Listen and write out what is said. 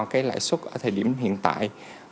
cái lãi suất ở thời điểm hiện tại